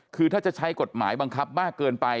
คือถ้าจะใช้กฎหมายบังคับมากเกินไป